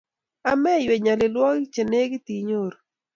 Ameiywei nyalilwogik che negit inyoru.